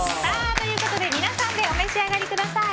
皆さんでお召し上がりください。